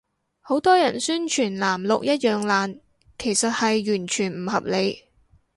好多人宣傳藍綠一樣爛，其實係完全唔合理